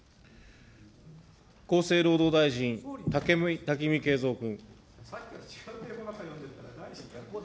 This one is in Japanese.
厚生労働大臣、武見敬三君。